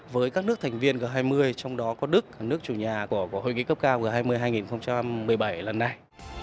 với các nước thành viên g hai mươi trong đó có đức nước chủ nhà của hội nghị cấp cao g hai mươi hai nghìn một mươi bảy lần này